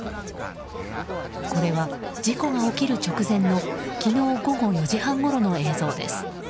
これは、事故が起きる直前の昨日午後４時半ごろの映像です。